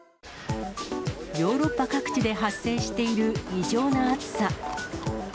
ヨーロッパ各地で発生している異常な暑さ。